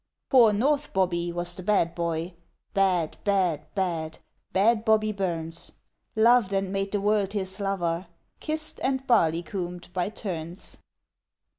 Poor North Bobbie was the bad boy, Bad, bad, bad, bad Bobbie Burns! Loved and made the world his lover, Kissed and barleycomed by turns.